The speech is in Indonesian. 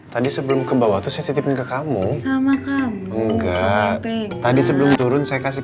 tadi sebelum ke bawah tuh saya titipin ke kamu enggak tadi sebelum turun saya kasih